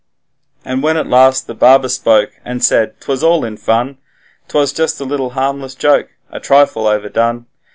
And when at last the barber spoke, and said, ''Twas all in fun 'Twas just a little harmless joke, a trifle overdone.'